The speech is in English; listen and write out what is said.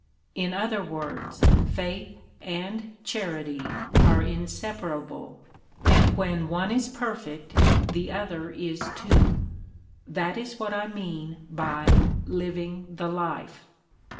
In other words, faith and charity are inseparable, and when one is perfect the other is too. That is what I mean by 'living the life.'"